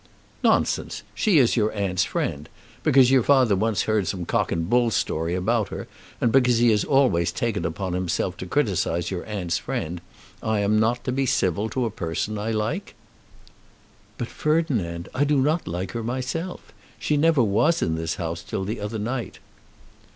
"Nonsense! She is your aunt's friend. Because your father once heard some cock and bull story about her, and because he has always taken upon himself to criticise your aunt's friends, I am not to be civil to a person I like." "But, Ferdinand, I do not like her myself. She never was in this house till the other night."